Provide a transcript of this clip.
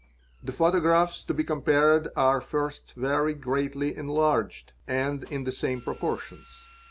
a The photographs to be compared are first very greatly enlarged ai in the same proportions.